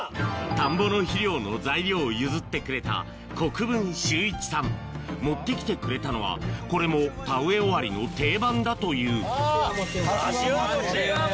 田んぼの肥料の材料を譲ってくれた持ってきてくれたのはこれも田植え終わりの定番だという柏餅！